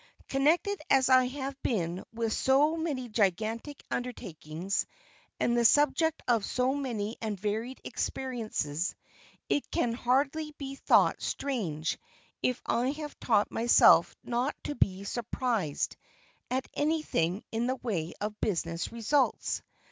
Connected as I have been with so many gigantic undertakings, and the subject of so many and varied experiences, it can hardly be thought strange if I have taught myself not to be surprised at anything in the way of business results.